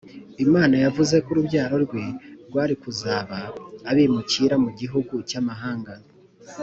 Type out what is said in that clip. Imana yavuze ko urubyaro rwe rwari kuzaba abimukira f mu gihugu cy amahanga